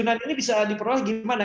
nah q sembilan ini bisa diperoleh gimana